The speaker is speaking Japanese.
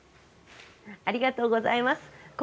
ありがとうございます。